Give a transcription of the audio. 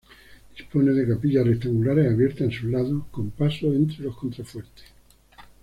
Dispone de capillas rectangulares abiertas en sus lados, con pasos entre los contrafuertes.